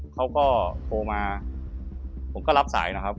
เขาก็โทรมาผมก็รับสายนะครับ